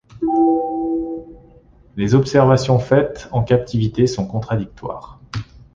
Les observations faites en captivité sont contradictoires.